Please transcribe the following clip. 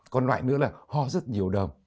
còn loại nữa là ho rất nhiều đờm